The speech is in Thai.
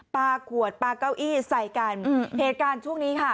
ปลาขวดปลาเก้าอี้ใส่กันเหตุการณ์ช่วงนี้ค่ะ